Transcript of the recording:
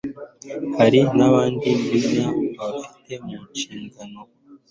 hari nabandi n'abafite mu nshingano.